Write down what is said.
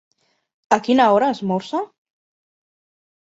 A quina hora esmorza?